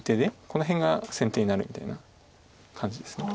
この辺が先手になるみたいな感じです。